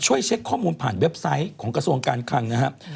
เช็คข้อมูลผ่านเว็บไซต์ของกระทรวงการคลังนะครับ